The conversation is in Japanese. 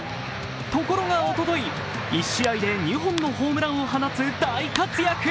ところがおととい、１試合で２本のホームランを放つ大活躍。